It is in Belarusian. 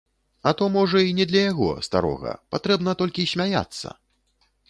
А то можа і не для яго, старога, патрэбна толькі смяяцца!